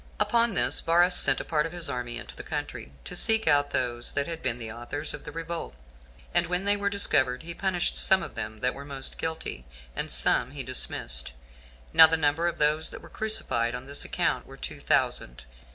10. Upon this, Varus sent a part of his army into the country, to seek out those that had been the authors of the revolt; and when they were discovered, he punished some of them that were most guilty, and some he dismissed: now the number of those that were crucified on this account were two thousand.